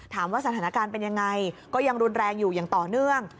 สถานการณ์เป็นยังไงก็ยังรุนแรงอยู่อย่างต่อเนื่อง